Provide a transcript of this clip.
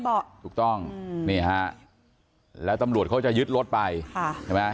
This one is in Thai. เบาะถูกต้องนี่ฮะแล้วตำรวจเขาจะยึดรถไปค่ะใช่ไหม